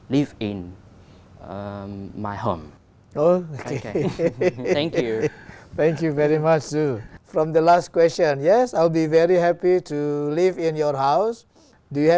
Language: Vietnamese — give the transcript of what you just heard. vì vậy đây là một loại kinh tế cho chúng ta